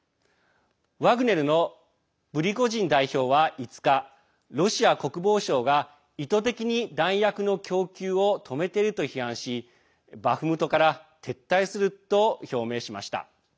ワグネルのプリゴジン代表は５日ロシア国防省が意図的に弾薬の供給を止めていると批判しバフムトから撤退すると表明しました。